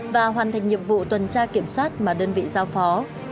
và hoàn thành nhiệm vụ tuần tra kiểm soát mà đơn vị giao phó